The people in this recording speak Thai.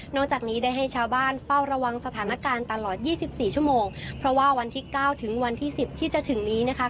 จากนี้ได้ให้ชาวบ้านเฝ้าระวังสถานการณ์ตลอดยี่สิบสี่ชั่วโมงเพราะว่าวันที่เก้าถึงวันที่สิบที่จะถึงนี้นะคะ